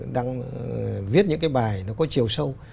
đang viết những cái bài nó có chiều sâu